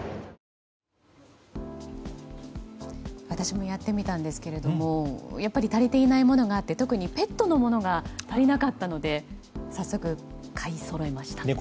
私もやってみたんですけどやっぱり足りていないものがあって特にペットのものが足りなかったので早速、買いそろえました。